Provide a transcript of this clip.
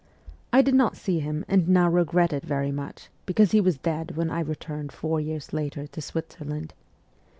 I did not see him, and now regret it very much, because he was dead when I returned four years later to Switzerland.